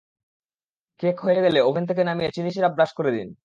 Cake হয়ে গেলে oven থেকে নামিয়ে চিনি সিরাপ ব্রাশ করে দিন।